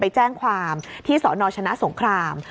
ไปแจ้งความที่สนชนะสงคราม